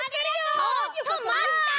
ちょっとまった！